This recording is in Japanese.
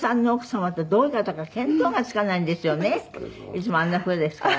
いつもあんな風ですから。